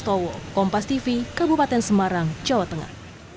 rastowo kompas tv kebupaten semarang jawa tengah